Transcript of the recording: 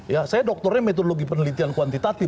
ya saya doktornya metodologi penelitian kuantitatif